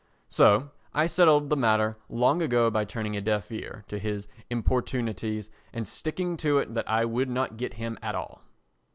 So I settled the matter long ago by turning a deaf ear to his importunities and sticking to it that I would not get him at all.